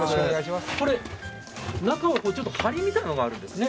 中はちょっと、はりみたいなのがあるんですね。